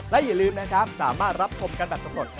และอย่าลืมนะครับสามารถรับชมกันแบบสำรวจ